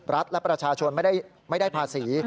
รัฐและประชาชนไม่ได้ภาษี